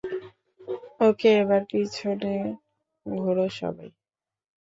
ওকে, এবার পেছনে ঘোরো সবাই।